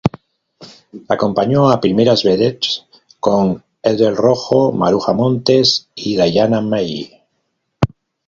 Acompañó a primeras vedettes como Ethel Rojo, Maruja Montes y Diana Maggi.